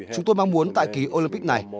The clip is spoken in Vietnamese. chúng tôi mong muốn tại ký olympic này